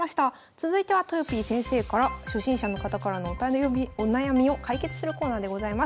続いてはとよぴー先生から初心者の方からのお悩みを解決するコーナーでございます。